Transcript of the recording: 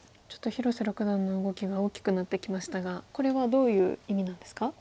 ちょっと広瀬六段の動きが大きくなってきましたがこれはどういう意味なんですか？